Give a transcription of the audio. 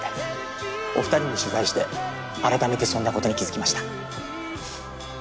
お二人に取材して改めてそんなことに気づきました。